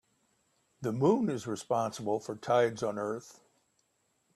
The moon is responsible for tides on earth.